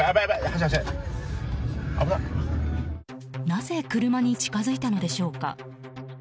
なぜ車に近づいたのでしょうか。